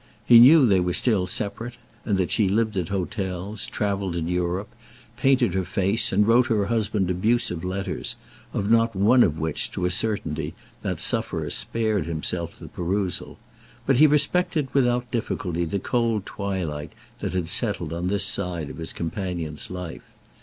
He knew they were still separate and that she lived at hotels, travelled in Europe, painted her face and wrote her husband abusive letters, of not one of which, to a certainty, that sufferer spared himself the perusal; but he respected without difficulty the cold twilight that had settled on this side of his companion's life.